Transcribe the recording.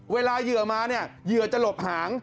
เวลาเหยื่อมาเหยื่อจะหลบหาง